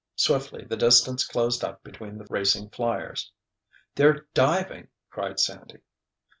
Swiftly the distance closed up between the racing flyers. "They're diving!" cried Sandy.